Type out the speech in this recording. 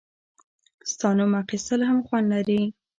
• ستا نوم اخیستل هم خوند لري.